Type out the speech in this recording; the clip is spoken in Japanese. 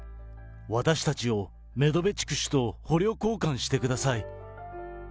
私たちをメドベチュク氏と捕虜交換してください。